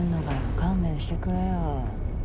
勘弁してくれよ。